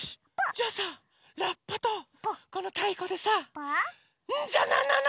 じゃあさラッパとこのたいこでさ「ンジャナナナ！」